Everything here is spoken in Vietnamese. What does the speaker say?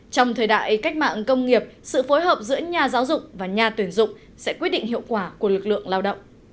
trong thời đại cách mạng công nghiệp sự phối hợp giữa nhà giáo dục và nhà tuyển dụng sẽ quyết định hiệu quả của lực lượng lao động